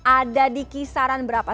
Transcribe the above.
ada di kisaran berapa